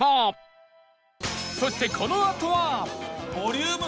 そしてこのあとは